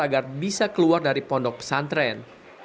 agar bisa keluar dari pondok pesantren